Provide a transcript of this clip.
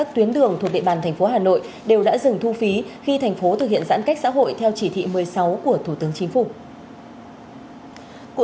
thủ tướng chính phủ